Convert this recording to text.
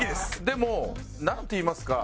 でもなんていいますか。